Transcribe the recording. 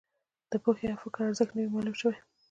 د پوهې او فکر ارزښت نه وي معلوم شوی.